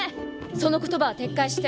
その言葉は撤回して。